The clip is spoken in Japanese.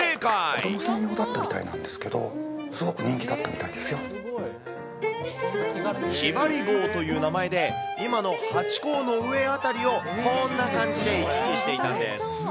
子ども専用だったみたいなんですけど、ひばり号という名前で、今のハチ公の上辺りを、こーんな感じで行き来していたんです。